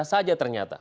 di penjara saja ternyata